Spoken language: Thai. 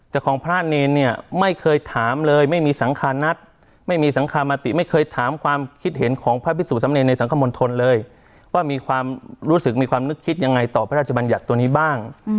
แต่ของพระเนรเนี่ยไม่เคยถามเลยไม่มีสังคารนัทไม่มีสังคมติไม่เคยถามความคิดเห็นของพระพิสุสำเนรในสังคมณฑลเลยว่ามีความรู้สึกมีความนึกคิดยังไงต่อพระราชบัญญัติตัวนี้บ้าง